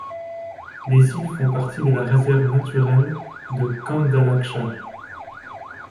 Les îles font partie de la réserve naturelle de Kandalakcha.